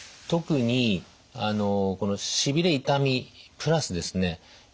特にしびれ痛みプラスですね